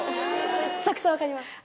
めっちゃくちゃ分かります。